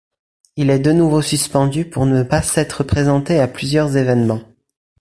Il est de nouveau suspendu pour ne pas s'être présenté à plusieurs évènements.